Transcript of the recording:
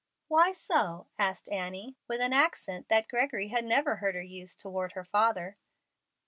"Why so?" asked Annie, with an accent that Gregory had never heard her use toward her father.